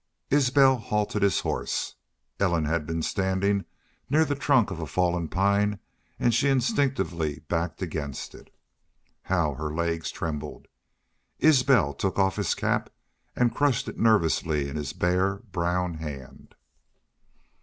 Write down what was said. Isbel halted his horse. Ellen had been standing near the trunk of a fallen pine and she instinctively backed against it. How her legs trembled! Isbel took off his cap and crushed it nervously in his bare, brown hand.